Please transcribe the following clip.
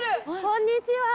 ・こんにちは！